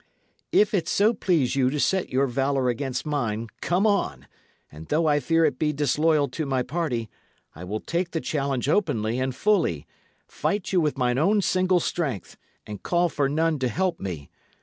"If it so please you to set your valour against mine, come on; and though I fear it be disloyal to my party, I will take the challenge openly and fully, fight you with mine own single strength, and call for none to help me.